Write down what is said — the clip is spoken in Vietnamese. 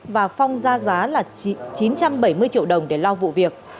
và phong ra giá chín trăm bảy mươi triệu đồng để lau vụ việc